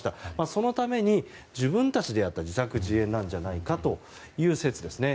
そのために自分たちでやった自作自演なんじゃないかという説ですね。